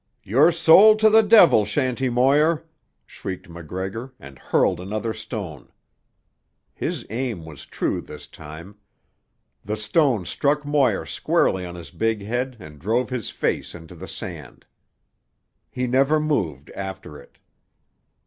"Your soul to the devil, Shanty Moir!" shrieked MacGregor and hurled another stone. His aim was true this time. The stone struck Moir squarely on his big head and drove his face into the sand. He never moved after it.